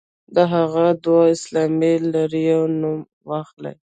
د هغو دوو اسلامي لړیو نوم واخلئ.